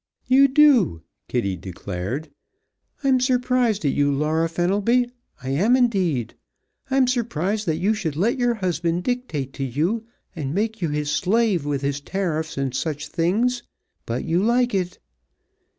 "You do!" Kitty declared. "I'm surprised at you, Laura Fenelby, I am indeed. I'm surprised that you should let your husband dictate to you, and make you his slave with his tariffs and such things, but you like it.